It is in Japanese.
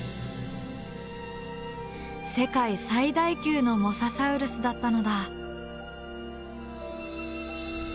世界最大級のモササウルスだったのだ。